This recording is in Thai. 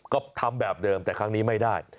ก็ทำแบบเดิมแต่ครั้งนี้ไม่ได้